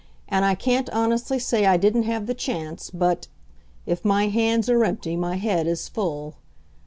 And I can't honestly say I didn't have the chance, but if my hands are empty my head is full.